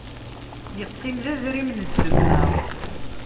Iqqim d adrim n demma.